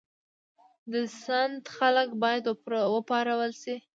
د سند خلک باید وپارول شي.